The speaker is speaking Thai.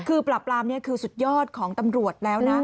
คือปราบปรามนี่คือสุดยอดของตำรวจแล้วนะ